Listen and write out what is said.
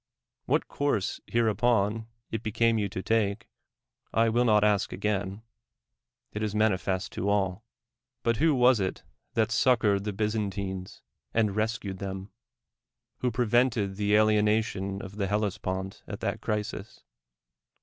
What course hereupon it became you to take, I will not ask again ; it is manifest to all. But who was it that succored the Byzantines, and rescued them 1 who pre vented the alienation of the ITellespont at that crisis?